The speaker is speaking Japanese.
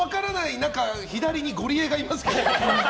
中左にゴリエがいますけど。